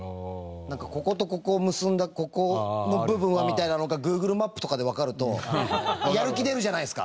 なんかこことここを結んだここの部分はみたいなのがＧｏｏｇｌｅマップとかでわかるとやる気出るじゃないですか。